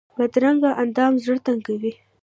بدرنګه اندام زړه تنګوي